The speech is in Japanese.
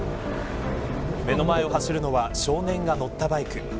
目の前を走るのは少年が乗ったバイク。